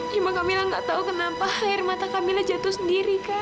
cuma kamila enggak tahu kenapa air mata kamila jatuh sendiri kak